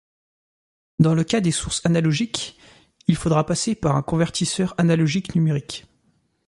Dans le cas des sources analogiques, il faudra passer par un convertisseur analogique-numérique.